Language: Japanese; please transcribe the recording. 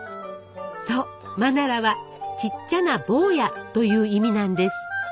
そうマナラは「ちっちゃな坊や」という意味なんです。